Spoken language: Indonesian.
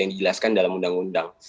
yang dijelaskan dalam undang undang